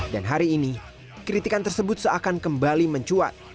dan hari ini kritikan tersebut seakan kembali mencuat